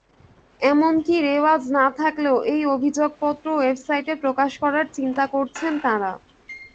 এমনকি রেওয়াজ না থাকলেও এই অভিযোগপত্র ওয়েবসাইটে প্রকাশ করার চিন্তা করছেন তাঁরা।